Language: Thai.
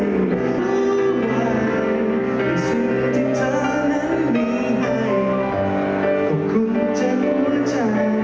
รู้ไหวในสุขที่เธอนั้นมีให้ขอบคุณจังหวังใจ